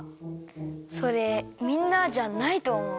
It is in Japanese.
それみんなじゃないとおもう。